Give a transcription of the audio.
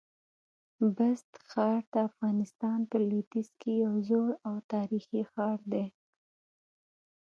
بست ښار د افغانستان په لودیځ کي یو زوړ او تاریخي ښار دی.